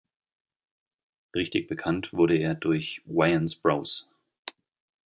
Richtig bekannt wurde er durch Wayans bros.